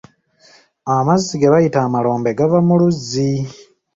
Amazzi ge bayita amalombe gava ku luzzi.